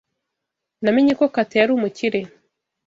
Namenye ko Kate yari umukire.